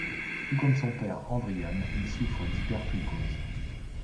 Tout comme son père, Andrian, il souffre d'hypertrichose.